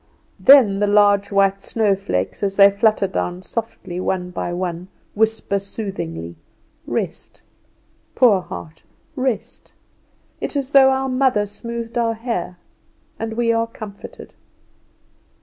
Then the large white snow flakes as they flutter down, softly, one by one, whisper soothingly, "Rest, poor heart, rest!" It is as though our mother smoothed our hair, and we are comforted.